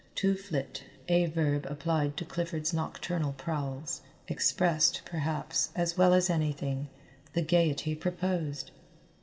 To flit, a verb applied to Clifford's nocturnal prowls, expressed, perhaps, as well as anything, the gaiety proposed.